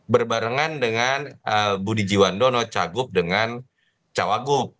berbarengan dengan budi jiwandono cagup dengan cawagup